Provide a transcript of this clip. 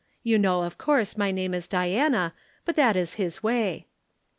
"(You know of course my name is Diana, but that is his way.)